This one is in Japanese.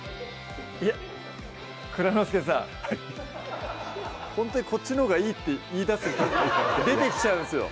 いや蔵之介さんはいほんとにこっちのほうがいいって言いだす人出てきちゃうんですよ